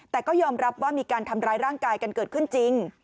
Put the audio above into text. แต่ก็ยอมรับว่ามีการทำร้ายร่างกายกันเกิดขึ้นจริง